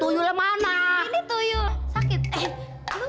tuyulnya dimana kok gue yang nanya